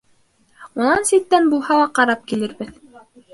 Унан ситтән булһа ла ҡарап килербеҙ...